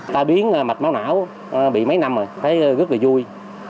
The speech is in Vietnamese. ta biến mạch máu não bị mấy năm rồi thấy rất là vui